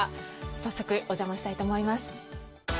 早速、お邪魔したいと思います。